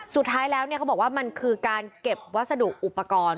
สุดท้ายแล้วเขาบอกว่ามันคือการเก็บวัสดุอุปกรณ์